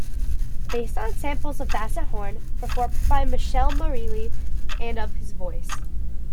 Based on samples of bassett horn, performed by Michele Marelli, and of his voice.